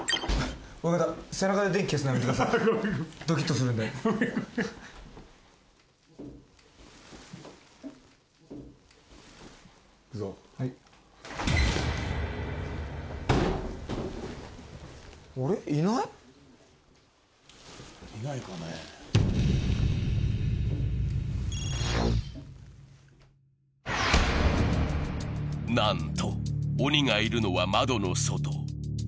するとなんと、鬼がいるのは窓の外。